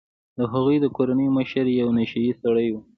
د هغوی د کورنۍ مشر یو نشه يي سړی و.